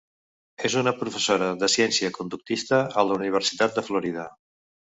És una Professora de Ciència Conductista a la Universitat de Florida.